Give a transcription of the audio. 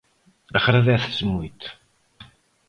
Agradécese moito.